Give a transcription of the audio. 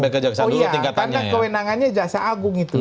karena kewenangannya jaksa agung